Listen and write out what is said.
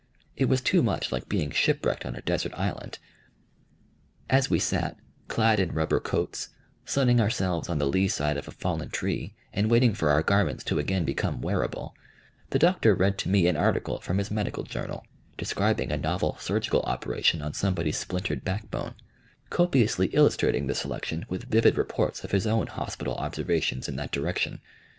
It was too much like being shipwrecked on a desert island. As we sat, clad in rubber coats, sunning ourselves on the lee side of a fallen tree and waiting for our garments to again become wearable, the Doctor read to me an article from his medical journal, describing a novel surgical operation on somebody's splintered backbone, copiously illustrating the selection with vivid reports of his own hospital observations in that direction.